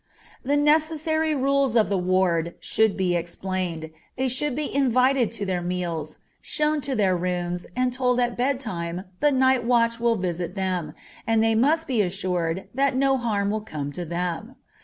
The necessary rules of the ward should be explained; they should be invited to their meals, shown to their rooms and told at bedtime the night watch will visit them, and they must be assured that no harm will come to them.